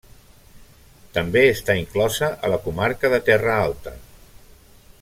També està inclosa a la comarca de Terra Alta.